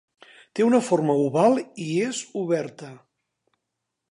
Té una forma oval i és oberta.